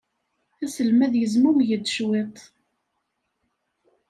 Aselmad yezmumeg-d cwiṭ.